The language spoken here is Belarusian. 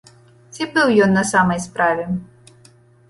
Ці быў ён на самай справе?